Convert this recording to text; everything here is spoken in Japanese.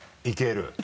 いける？